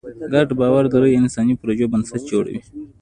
ګډ باور د لویو انساني پروژو بنسټ جوړوي.